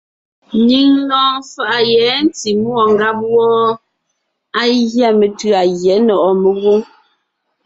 Nyìŋ lɔɔn faʼa yɛ̌ ntí múɔ ngáb wɔ́ɔ, á gʉa metʉ̌a Gyɛ̌ Nɔ̀ʼɔ Megwǒŋ.